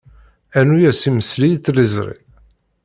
Rnu-as imesli i tliẓri.